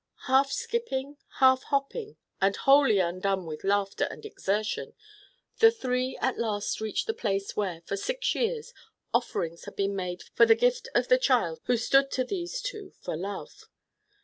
Half skipping, half hopping, and wholly undone with laughter and exertion, the three at last reached the place where, for six years, offerings had been made for the gift of the child who stood to these two for love.